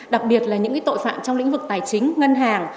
đặc biệt là những tội phạm trong lĩnh vực tài chính ngân hàng